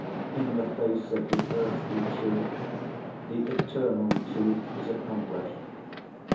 In the face of the earthly truth, the eternal truth is accomplished.